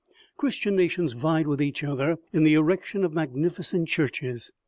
Christian nations vied with each other in the erection of magnificent churches.